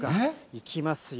いきますよ。